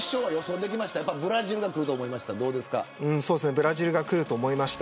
ブラジルがくると思いました。